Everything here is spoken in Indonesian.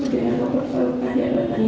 dengan mempertahankan jabatannya